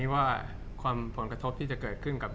จากความไม่เข้าจันทร์ของผู้ใหญ่ของพ่อกับแม่